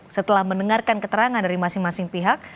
setelah mendengarkan keterangan dari masing masing pihak